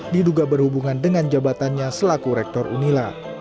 diduga berhubungan dengan jabatannya selaku rektor unila